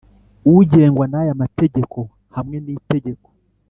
Ugengwa n aya mageteko hamwe n itegeko